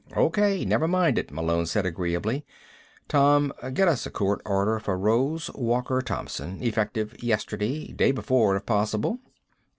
"O.K., never mind it," Malone said agreeably. "Tom, get us a court order for Rose Walker Thompson. Effective yesterday day before, if possible."